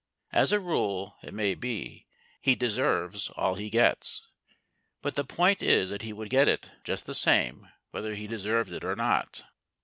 As a rule, it may be, he deserves all he gets, but the point is that he would get it just the same whether he deserved it or not.